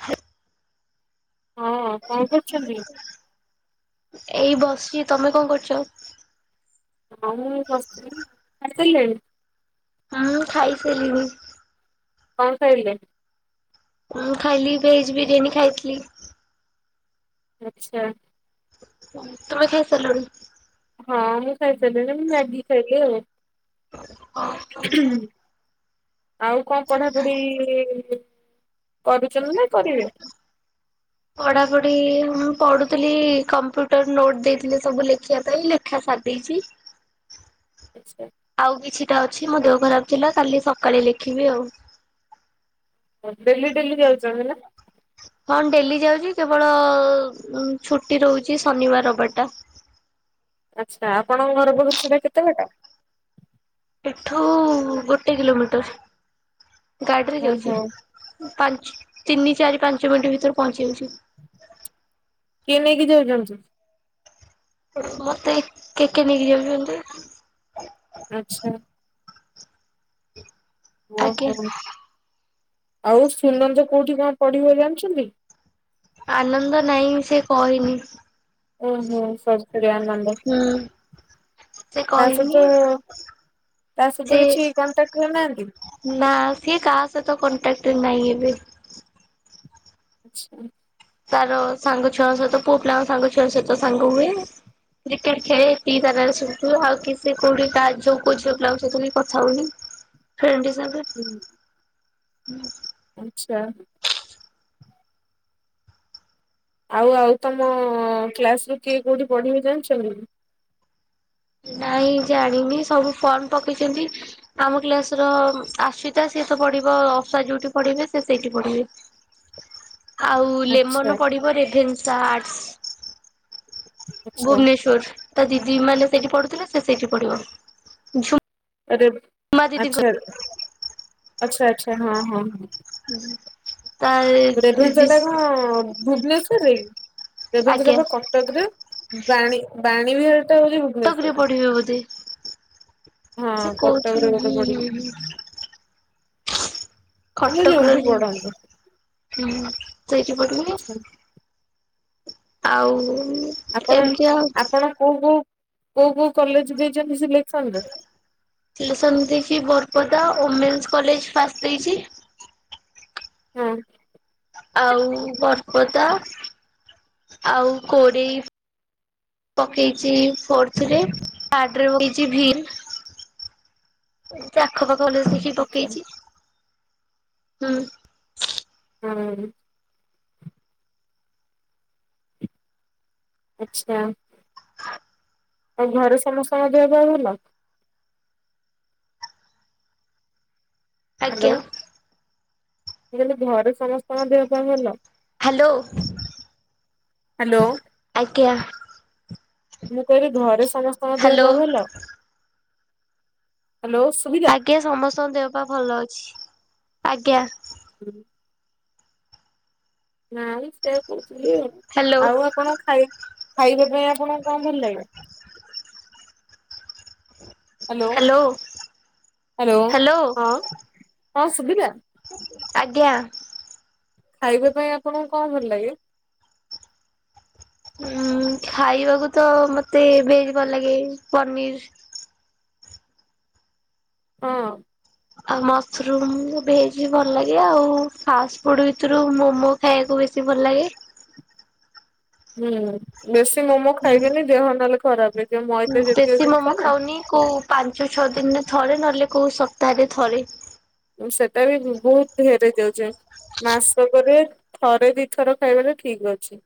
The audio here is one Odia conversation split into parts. ହଁ। ହଁ କଣ କରୁଛନ୍ତି? ଏଇ ବସିଛି ତମେ କଣ କରୁଛ? ହଁ ମୁଁ ଏଇ ବସିଥିଲି ଖାଇସାରିଲେଣି? ମୁଁ ଖାଇସାରିଲିଣି। କଣ ଖାଇଲେ। ମୁଁ ଖାଇଲି, ଭେଜ୍ ବିରିୟାନୀ ଖାଇଥିଲି। ଆଚ୍ଛା। ତୁମେ ଖାଇସାରିଲଣି। [unintelligible] ହଁ ମୁଁ ଖାଇସାରିଲିଣିି। ମୁଁ ମ୍ୟାଗି ଖାଇଲି ଆଉ। ହଁ। ଆଉ କଣ ପଢାପଢି। କରୁଛନ୍ତି ନା କରିବେ। [inaudible] ପଢାପଢି ହଁ ପଢୁଥିଲି, କମ୍ପ୍ୟୁଟର ନୋଟ୍ ଦେଇଥିଲେ ସବୁ ଲେଖିବା ପାଇଁ। ଲେଖା ସାରିଦେଇଛି। ଆଚ୍ଛା। ଆଉ କିଛିଟା ଅଛି ମୋ ଦେହ ଖରାପ ଥିଲା, କାଲି ସକାଳେ ଲେଖିବି ଆଉ। ଡେଲି ଡେଲି ଯାଉଛନ୍ତି ନା। ହଁ ଡେଲି ଯାଉଛି, କେବଳ ଛୁଟି ରହୁଛି ଶନିବାର ରବିବାରଟା। ଆଚ୍ଛା ଆପଣଙ୍କ ଘରକରୁ ସେଟା କେତେ ବାଟ। ଏଠୁ ଗୋଟେ କିଲୋମିଟର। ଗାଡିରେ ଯାଉଛି। ଓହୋ ପାଞ୍ଚ ତିନି ଚାରି ପାଞ୍ଚ ମିନିଟ୍ ଭିତରେ ପହଞ୍ଚି ଯାଉଛି। କିଏ ନେଇକି ଯାଉଛନ୍ତି। ମତେ କେ କେ ନେଇକି ଯାଉଛନ୍ତି। ଆଚ୍ଛା। ଆଜ୍ଞା। ଓହୋ ଆଉ ସୁନନ୍ଦ କୋଉଠି କଣ ପଢିବ ଜାଣିଛନ୍ତି? ଆନନ୍ଦ ନାହିଁ, ସେ କହିନି। ଓହୋ ସରି ସରି ଆନନ୍ଦ। ହୁଁ ସେ ତା କହିନି ସହିତ, ତା ସେ ସହିତ କିଛି କଣ୍ଟାକ୍ଟ କରୁନାହାନ୍ତି? ନା, ସିଏ କାହା ସହିତ କଣ୍ଟାକ୍ଟରେ ନାହିଁ ଏବେ। ଆଚ୍ଛା। ତାର ସାଙ୍ଗ ଛୁଆଙ୍କ ସହିତ, ପୁଅ ପିଲାଙ୍କ ସାଙ୍ଗ ଛୁଆଙ୍କ ସହିତ ସାଙ୍ଗ ହୁଏ। କ୍ରିକେଟ୍ [unintelligible] ଖେଳେ ତୁ ଆଉ କି ସେ କୋଉଠି ତାଉୋଝି ପିଲା ସେଥିଁ କଥା ହଉନି [unintelligible] ହୁଁ। ହୁଁ। ଆଚ୍ଛା। ଆଉ ଆଉ ତମ କ୍ଲାସରୁ କିଏ କୋଉଠି ପଢିବେ ଜାଣିଛନ୍ତି? ନାଇଁ ଜାଣିନି, ସବୁ ଫର୍ମ ପକେଇଛନ୍ତି। ଆମ କ୍ଲାସର ଆଶ୍ଵିତା, ସିଏ ତ ପଢିବ ଅଶ୍ଵା ଯୋଉଠି ପଢିବେ ସେ ସେଇଠି ପଢିବେ। ଆଉ ଆଚ୍ଛା ଲେମନ ପଡିବ ରେଭେନ୍ସା ଆଟ୍ସ। ଆଚ୍ଛା ଭୁବନେଶ୍ଵର, ତା ଦିଦି ମାନେ ସେଇଠି ପଢୁଥିଲେ, ସେ ସେଇଠି ପଢିବ ଝ ରେଭ, ଆଛା ଆଛା ଆଚ୍ଛା ହଁ ହଁ ହଁ। ତା ରେଭେନ୍ସା ଦିଦି ଟା କଁ। ଭୁବନେଶ୍ୱର ରେ ରେଭେନ୍ସା ଆଜ୍ଞା ବା କଟକ ରେ ବାଣୀ ବାଣୀ ବିହାର ଟା ହଉଛି ଭୁବ କଟକରେ ପଢିବେ ବୋଧେ ହଁ ସେ କଟକରେ କହୁଥିଲେ ବୋଧେ ହୁଁ ପଢିବେ। ହୁଁ ହୁଁ। ତମେ କଟକ ର ଯୋଉଠି ହୁଁ ପଢନ୍ତୁ କହୁଚି ପଡିବ। ଆଚ୍ଛା ଆଉ। ଆପଣ ଏମିତି ଆଉ ଆପଣ କୋଉ କୋଉ କୋଉ କୋଉ କଲେଜ ଦେଇଛନ୍ତି ସିଲେକ୍ସନରେ? ସିଲେକ୍ସନ ଦେଇଛି ବରପଦା ଓମେନ୍ସ କଲେଜ ଫାଷ୍ଟ ଦେଇଛି। ହୁଁ। ଆଉ ବରପଦା ଆଉ କୋରେଇ। ପକେଇଛି ଫୋର୍ର୍ଥ ରେ ଥାର୍ଡ ରେ ପକେଇଛି ଭିମ୍ସ। ଏମିତି ଆଖ ପାାଖ କଲେଜ୍ ଦେଖିକି ଆଚ୍ଛା ପକେଇଛି ହୁଁ। ହୁଁ। ଆଛା ଆଉ ଘରେ ସମସ୍ତଙ୍କ ଦେହ ପା ଭଲ। ହ୍ୟାଲୋ ଆଜ୍ଞା। ମୁଁ କହିଲି ଘରେ ସମସ୍ତଙ୍କ ଦେହ ପାହ ଭଲ। ହାଲୋ ହ୍ୟାଲୋ ଆଜ୍ଞା। ମୁଁ କହିଲି ଘରେ ସମସ୍ତଙ୍କ ଦେହ ହ୍ୟାଲୋ ପେହ ଭଲ। ହାଲୋ ଶୁଭି ଆଜ୍ଞା ସମସ୍ତଙ୍କ ଦେହ ପାହ ଭଲ ଅଛି ଆଜ୍ଞା। ହୁଁ। ନାଇଁ ସେଇଆ କହୁଥିଲି ଆଉ ହ୍ୟାଲୋ ଆଉ ଆପଣ ଖାଇ ଖାଇବା ପାଇଁ ଆପଣଙ୍କୁ କଁ ଭଲ ଲାଗେ? ହାଲୋ ହ୍ୟାଲୋ ହାଲୋ ହ୍ୟାଲୋ ହଁ ହଁ ଶୁଭିଲା? ଆଜ୍ଞା। ଖାଇବା ପାଇଁ ଆପଣଙ୍କୁ କଁ ଭଲ ଲାଗେ? ଉଁ ଖାଇବାକୁ ତ ମତେ ଭେଜ ଭଲ ଲାଗେ ପନିରି। ହଁ। ଆଉ ମସରୁମ ଭେଜ ବି ଭଲ ଲାଗେ ଆଉ ଫାଷ୍ଟ ଫୁଡ ଭିତରୁ ମୋମୋ। ଖାଇବାକୁ ବେଶୀ ଭଲ ଲାଗେ। ହୁଁ ବେଶୀ ମୋମୋ ହୁଁ ଖାଇବେନି ଦେହ ନହେଲେ ଖରାପେ। ବେଶୀ ମୋମୋ ଖାଉନି କୋଉ ପାଞ୍ଚ ଛଅ ଦିନରେ ଥରେ ନହେଲେ କୋଉ ସପ୍ତାହରେ ଥରେ। ଉଁ ସେଟା ବି ବହୁତ ଢେର ହେଇ ଯାଉଛି। ମାସକରେ ଥରେ ଦିଥର ଖାଇବା ଟା ଠିକ ଅଛି।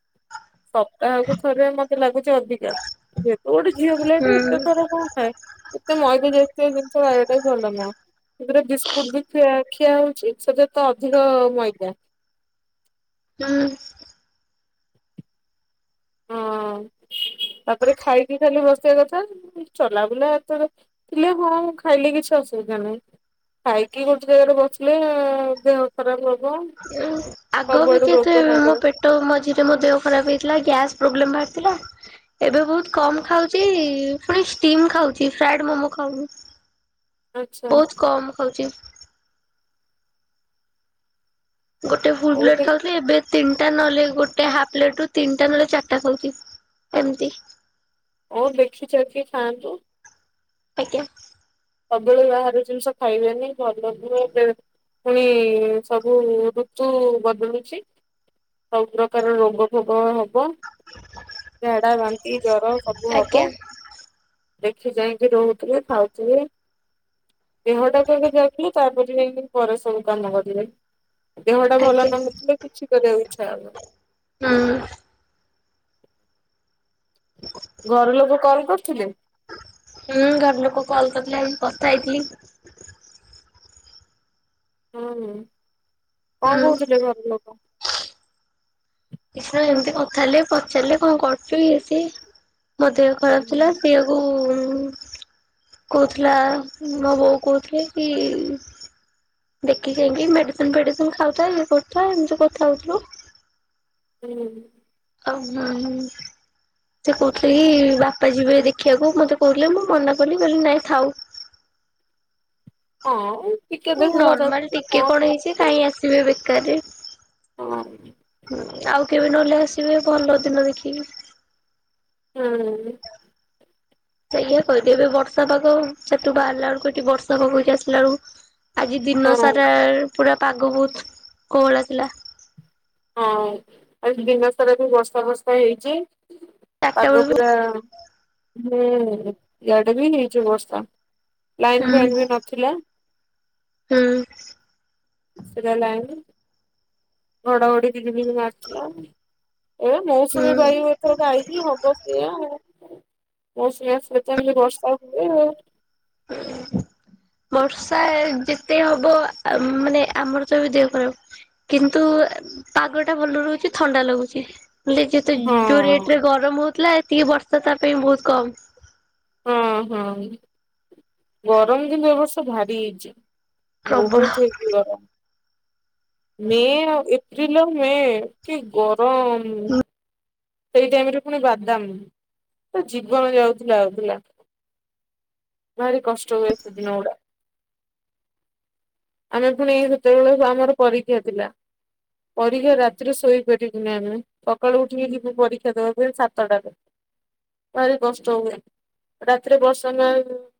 ସପ୍ତାହକୁ ଥରେ ମତେ ଲାଗୁଛି ଅଧିକା। ଯେହେତୁ ଗୋଟେ ଝିଅ ପିଲା ଟେ ହୁଁ ଏତେ ଥର କଁ ଖାଏ? ଏତେ ମଇଦା ଜାତିୟ ଜିନିଷ ଖାଇବା ଟା ବି ଭଲ ନୁହଁ। ବିସ୍କୁଟ ବି ଖିଆ ଖିଆ ହଉଛି ସେଥେରେ ତ ଅଧିକ ମଇଦା। ହୁଁ। [inaudible] ଆଉ ତାପରେ ଖାଇକି ଖାଲି ବସିବା କଥା। ଏ ଚଲା ବୁଲା ଏତେ ରେ ଥିଲେ ହଁ ଖାଇଲେ କିଛି ଅସୁବିଧା ନାହିଁ। ଖାଇକି ଗୋଟେ ଜାଗାରେ ବସିଲେ ଏ-ଦେହ ଖରାପ ହବ। ଆଗ ବି ସବୁଆଡୁ କିତେ ରୋଗ ମାଡି ମୋ ଆସ ପେଟ ମଝିରେ ମୋ ଦେହ ଖରାପ ହେଇଥିଲା ଗ୍ୟାସ୍ ପ୍ରୋବ୍ଲେମ ବାହାରିଥିଲା। ଏବେ ବୋହୁତ କମ୍ ଖାଉଛି ପୁଣି ଷ୍ଟିମ୍ ଖାଉଛି ଫ୍ରାଏଡ ମୋମୋ ଖାଉନି। ଆଚ୍ଛା ବୋହୁତ୍ କମ୍ ଖାଉଛି। ଗୋଟେ ଫୁଲ ହଉ ପ୍ଲେଟ୍ ଖାଉଥିଲି ଏବେ ତିନ୍ଟା ନହେଲେ ଗୋଟେ ହାଫ୍ ପ୍ଲେଟ୍ ରୁ ତିନ୍ଟା ନହେଲେ ଚାର୍ଟା ଖାଉଛି ଏମ୍ତି। ଓଉ ଦେଖି ଚାଖି ଖାଆନ୍ତୁ। ଆଜ୍ଞା। ସବୁବେଳେ ବାହାର ଜିନ୍ଷ ଖାଇବେନି ଭଲ ନୁହେଁ। ବେଳେ ପୁଣି ସବୁ ଋତୁ ବଦୁଳୁଛି। ସବୁ ପ୍ରକାର ରୋଗ ଫୋଗ ହବ ଝାଡା, ବାନ୍ତି, ଜର। ସବୁ ହବ ଆଜ୍ଞା ଦେଖି ଚାହିଁକି ରୋହୁଥିବେ, ଖାଉଥିବେ। ଦେହଟା କୁ ଆଗେ ଯଗିକି, ତାପରେ ଯାଇଁକି ପରେ ସବୁ କାମ କରିବେ। ଦେହଟା ଭଲ ଆଜ୍ଞା। ନ ନଥିଲେ, କିଛି କରିବାକୁ ଇଚ୍ଛା ହବନି। ହୁଁ। [unintelligible] ଘର ଲୋକ କଲ୍ କରୁଥିଲେ? ହୁଁ ଘର ଲୋକ କଲ୍ କରିଥିଲେ, ଏବେ ମୁଁ କଥା ହେଇଥିଲି। ହୁଁ ହୁଁ, କଁ ହୁଁ। କୋଉଥିଲେ ଘର ଲୋକ? କିଛି ନାଇଁ, ଏମ୍ତି କଥା ହେଲେ ପଚାରିଲେ କଁ କରୁଛୁ ଇଏ ସିଏ ମୋ ଦେହ ଖରାପ୍ ଥିଲା ସିଇଆକୁ ଉ କୋଉଥିଲା, ମୋ ବୋଉ କୋଉଥିଲେ କି ଦେଖି ଚାଇଁକି ମେଡିସିନ୍ ଫେଡିସିନ୍ ଖାଉଥା ଇଏ କରୁ ଥା ଏମିତି କଥା ହୋଉଥୁଲୁ। ହୁଁ ଉଁ। ଓ ହଁ। ସେ କୋହୁଥିଲେ କି, ବାପା ଯିବେ ଦେଖିବାକୁ? ମତେ କହୁଥିଲେ ମୁଁ ମନା କଲି, କହିଲି ନାଇଁ ଥାଉ। ଆଁଉଁ ତିକେ। ନର୍ମାଲ ଟିକେ କଣ ହେଇଛି କାଇଁ ଆସିବେ ବେକାରରେ। ହଁ। ଆଉ କେବେ ନହେଲେ ଆସିବେ ଭଲ ଦିନ ଦେଖିକି। ହୁଁ ଉଁ ସେଇୟା କହିଦେ ଏବେ ବର୍ଷା ପାଗ, ସେଠୁ ବାହାରିଲା ବେଳକୁ ଏଠି ବର୍ଷା ପକୋଉଚି ଆସିଲା ଏଳୁକୁ। ଆଜି ଦିନ ହଁ। ସାରା ପୁରା ପାଗ ବୋହୁତ୍ କୋହଲଲା ଥିଲା। ହଁ ଆଜି ଦିନସାରା ବି ବର୍ଷା ଫର୍ଷା ହେଇଛି ଚାରିଟା ପାଗ ବେଳକୁ ପୁରା ହୁଁ, ଏଆଡେ ବି ହେଇଛି ବର୍ଷା, ଲାଇନ୍ ହୁଁ ଫାଇନ୍ ବି ନ ଥିଲା ହୁଁ ଆସିଲା ଲାଇନି। ଘଡଘଡି ବିଜୁଳି ବି ମାରୁଥିଲା, ଏ ମୌସୁମୀ ହୁଁ। ବାୟୁ ଏ ତୋର ବାଇକି ହବ ସେୟା, ମୌସୁମୀ ଆସିଲେ ତେଣିକି ବର୍ଷା ହୁଏ ଆଉ। [unintelligible] ବର୍ଷା ଏ ଯେତେ ହବ ଆ ମାନେ ଆମର ତ ବି ଦେହ ଖରାପ୍। କିନ୍ତୁ ଏ-ପାଗଟା ଭଲ ରୋହୁଛି ଥଣ୍ଡା ଲାଗୁଚି। ବୋଇଲେ ଯେତ ଯୋଉ ରେଟ୍ ରେ ହଁ ଗରମ୍ ହୋଉଥିଲା, ଏତିକି ବର୍ଷା ତା ପାଇଁ ବୋହୁତ୍ କମ୍। ହଁ ହଁ, ଗରମ କିନ୍ତୁ ଏବ ବର୍ଷ ଭାରି ହେଇଛି। ପ୍ରବଳ। ବୋହୁତ୍ ହେଇଛି ଗରମ। ମେ ଆଉ ଏପ୍ରିଲ ଆଉ ମେ କି ଗରମ୍! ଏଇ ଟାଇମରେ ପୁଣି ବାଦାମ ତୋ ଜୀବନ ଯାଉଥିଲା ଆଉଥିଲା। ଭାରି କଷ୍ଟ ହୁଏ, ସେ ଦିନ ଗୁଡା। ଆମର ଫୁଣି ସେତେବେଳେକୁ ସୁ ଆମର ପରୀକ୍ଷା ଥିଲା। ପରକ୍ଷା ରାତିରେ ଶୋଇପାରିବୁନି ଆମେ, ସକାଳୁ ଉଠିକି ଯି ବୁ ପରୀକ୍ଷା ଦେବା ପାଇଁ ସାତଟାରେ, ଭାରି କଷ୍ଟ ହୁଏ। ରାତିରେ ବର୍ଷା ନା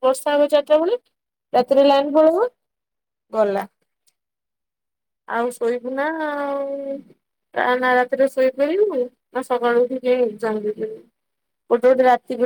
ବର୍ଷା ହବ ଚାରିଟା ବେଳେ, ରାତିରେ ଲାଇନ୍ ପଳେଇବ। ଗଲା ଆଉ ଶୋଇବୁ ନା ଆଉ, ନା ରାତିରେ ଶୋଇପାରିବୁ। ସକାଳୁ ଉଠିକି ଏକଜାମ ଦେଇଯିବୁ। ଗୋଟେ ଗୋଟେ ରାତିକି ରା